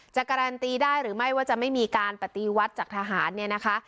การันตีได้หรือไม่ว่าจะไม่มีการปฏิวัติจากทหารเนี่ยนะคะ